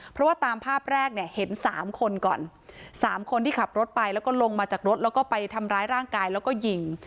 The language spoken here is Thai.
เพราะว่าตามภาพแรกเนี่ยเห็นสามคนก่อนสามคนที่ขับรถไปแล้วก็ลงมาจากรถแล้วก็ไปทำร้ายร่างกายแล้วก็ยิง